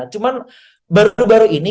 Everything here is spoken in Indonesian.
cuman baru baru ini